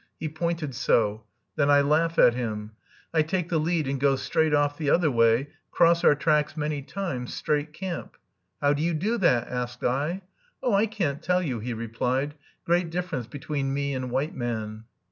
He pointed so. Then I laugh at him. I take the lead and go right off the other way, cross our tracks many times, straight camp." "How do you do that?" asked I. "Oh, I can't tell you," he replied. "Great difference between me and white man."